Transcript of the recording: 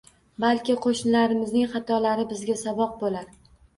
Balki qo'shnilarimizning xatolari bizga saboq bo'lar